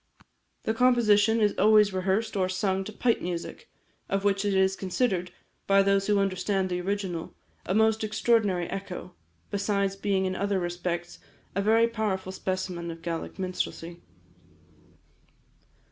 The composition is always rehearsed or sung to pipe music, of which it is considered, by those who understand the original, a most extraordinary echo, besides being in other respects a very powerful specimen of Gaelic minstrelsy.